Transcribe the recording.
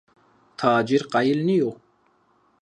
Tacîr qayîl nîyo